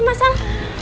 ini mas al